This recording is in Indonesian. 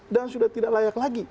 dan sudah tidak layak lagi